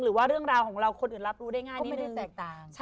หรือว่าเรื่องราวของเราคนอื่นรับรู้ได้ง่ายนิดนึง